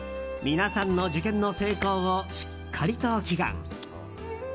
皆さんの受験の成功をしっかりと祈願。